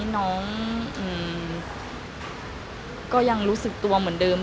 น้องก็ยังรู้สึกตัวเหมือนเดิม